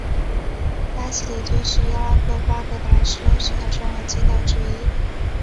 拉希德街是伊拉克巴格达市中心的重要街道之一。